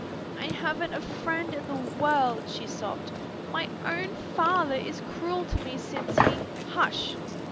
"I haven't a friend in the world," she sobbed; "my own father is cruel to me since he " "Hush!"